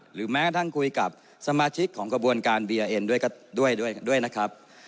แม้กระทั่งคุยกับสมาชิกของกระบวนการเบียร์เอ็นด้วยก็ด้วยนะครับ